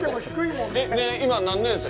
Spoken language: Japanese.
今、何年生？